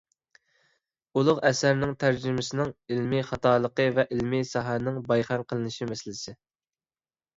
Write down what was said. ئۇلۇغ ئەسەرنىڭ تەرجىمىسىنىڭ ئىلمىي خاتالىقى ۋە ئىلمىي ساھەنىڭ پايخان قىلىنىشى مەسىلىسى